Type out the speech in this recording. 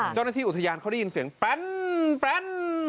เจ้าหน้าที่อุทยานเขาได้ยินเสียงแป้น